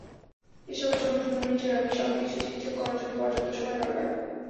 এসবের জন্য টুর্নামেন্টের আগে সবকিছু ঠিকঠাক করার জন্য পর্যাপ্ত সময় দরকার।